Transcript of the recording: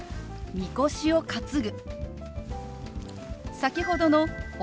「みこしを担ぐ」。